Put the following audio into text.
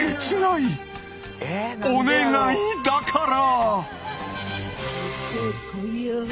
お願いだから。